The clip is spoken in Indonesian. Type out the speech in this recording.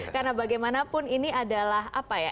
karena bagaimanapun ini adalah apa ya